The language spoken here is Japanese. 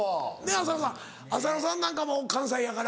浅野さん浅野さんなんかも関西やから。